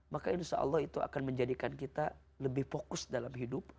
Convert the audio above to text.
maka insya allah itu akan menjadikan kita lebih fokus dalam hidup